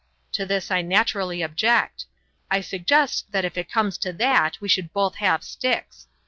To this I naturally object. I suggest that if it comes to that we should both have sticks.